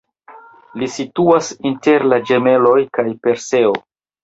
Li situas inter la Ĝemeloj kaj Perseo.